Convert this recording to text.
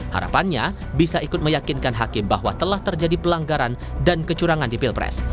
harapannya bisa ikut meyakinkan hakim bahwa telah terjadi pelanggaran dan kecurangan di pilpres